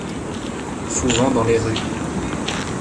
Souvent dans les rues.